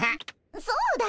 そうだよ。